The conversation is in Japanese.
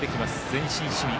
前進守備。